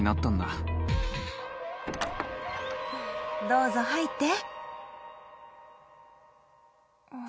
どうぞ入って。